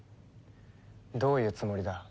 どういうつもりだ？